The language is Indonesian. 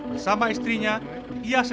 bersama istrinya ia sedang menjelaskan